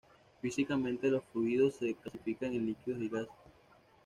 Físicamente los fluidos se clasifican en líquidos y gases.